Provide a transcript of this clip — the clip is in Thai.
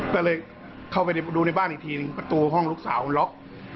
ก็เลยเข้าไปดูในบ้านอีกทีหนึ่งประตูห้องลูกสาวมันล็อก